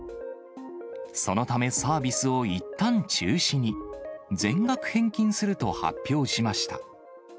そのため、サービスをいったん中止に、全額返金すると発表しました。